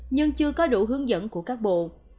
nhưng chưa có đủ hướng dẫn của các bộ